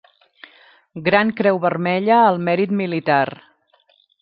Gran Creu Vermella al Mèrit Militar.